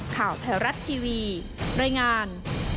ข่าวไทยรัฐทีวีรายงาน